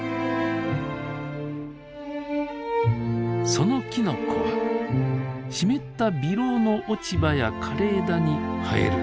そのきのこは湿ったビロウの落ち葉や枯れ枝に生えるんだそうです。